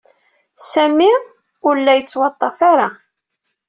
Sami ur la yettwaṭṭaf ara.